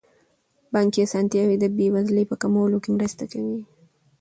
بانکي اسانتیاوې د بې وزلۍ په کمولو کې مرسته کوي.